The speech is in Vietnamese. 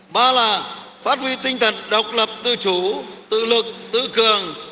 ba là phát huy tinh thần độc lập tự chủ tự lực tự cường